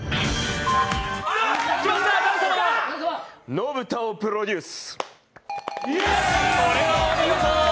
「野ブタをプロデュース」。